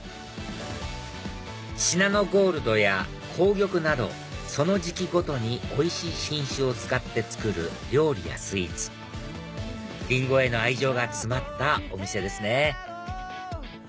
シナノゴールドや紅玉などその時期ごとにおいしい品種を使って作る料理やスイーツリンゴへの愛情が詰まったお店ですね